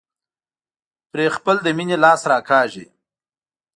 پرې خپل د مينې لاس راکاږي.